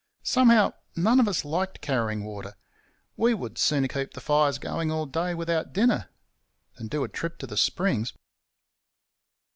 Somehow, none of us liked carrying water. We would sooner keep the fires going all day without dinner than do a trip to the springs.